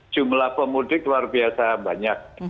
jumlah pemudik luar biasa banyak